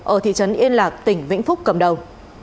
ở thị trấn yên lạc tỉnh vĩnh phúc cầm đầu